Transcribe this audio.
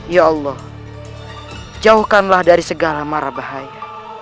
ya allah jauhkanlah dari segala mara bahaya